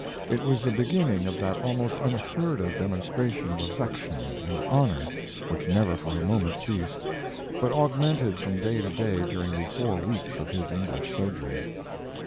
It was the beginning of that almost unheard of demonstration of affection and honor which never for a moment ceased, but augmented from day to day during the four weeks of his English sojourn.